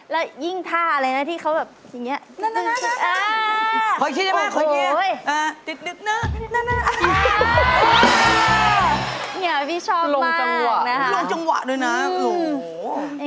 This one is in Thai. แล้วยิ่งท่าอะไรนะที่เขาแบบอย่างนี้